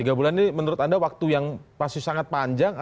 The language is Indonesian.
tiga bulan ini menurut anda waktu yang pasti sangat panjang